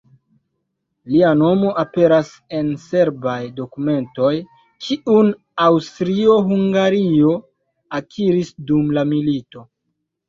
Lia nomo aperas en serbaj dokumentoj, kiun Aŭstrio-Hungario akiris dum la milito.